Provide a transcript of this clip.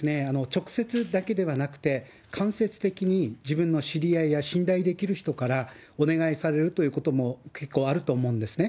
直接だけではなくて、間接的に自分の知り合いや信頼できる人から、お願いされるということも結構あると思うんですね。